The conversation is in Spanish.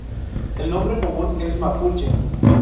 El nombre común es mapuche.